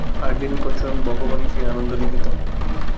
আর্যের নিকট স্বয়ং ভগবানই সেই আনন্দ-নিকেতন।